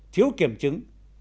thiếu kiểm chứng